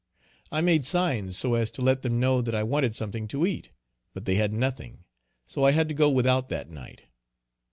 I made signs so as to let them know that I wanted something to eat, but they had nothing, so I had to go without that night.